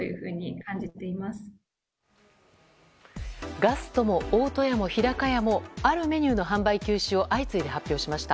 ガストも、大戸屋も、日高屋もあるメニューの販売の休止を相次いで発表しました。